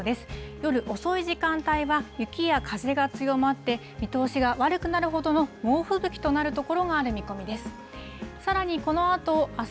夜遅い時間帯は、雪や風が強まって、見通しが悪くなるほどの猛吹雪となる所がある見込みです。